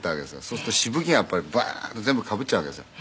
「そうするとしぶきがバーッと全部かぶっちゃうわけですよ」